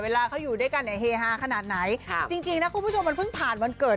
เวลาเขาอยู่ด้วยกันเนี่ยเฮฮาขนาดไหนจริงนะคุณผู้ชมมันเพิ่งผ่านวันเกิด